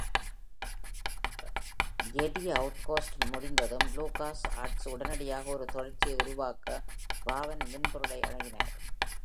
"JD Outcast" முடிந்ததும், LucasArts உடனடியாக ஒரு தொடர்ச்சியை உருவாக்க ராவன் மென்பொருளை அணுகினார்.